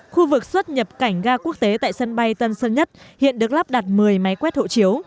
khu vực xuất nhập cảnh ga quốc tế tại sân bay tân sơn nhất hiện được lắp đặt một mươi máy quét hộ chiếu